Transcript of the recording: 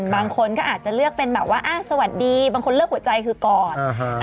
บางคนก็อาจจะเลือกเป็นแบบว่าสวัสดีบางคนเลือกหัวใจคือกอด